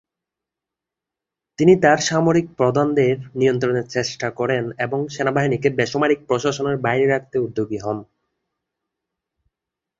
তিনি তার সামরিক প্রধানদের নিয়ন্ত্রণের চেষ্টা করেন এবং সেনাবাহিনীকে বেসামরিক প্রশাসনের বাইরে রাখতে উদ্যোগী হন।